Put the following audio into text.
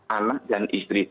anak dan istri